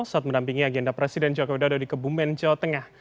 saat mendampingi agenda presiden joko widodo di kebumen jawa tengah